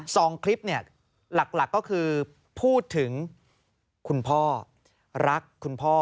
สองคลิปเนี่ยหลักก็คือพูดถึงคุณพ่อรักคุณพ่อ